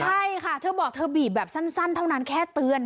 ใช่ค่ะเธอบอกเธอบีบแบบสั้นเท่านั้นแค่เตือน